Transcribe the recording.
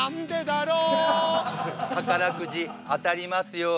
宝くじ当たりますように。